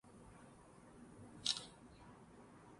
It is better known locally as the Battlefield Link Road.